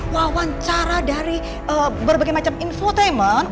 wawancara dari berbagai macam infotainment